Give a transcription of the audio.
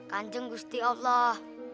kanjeng kusti allah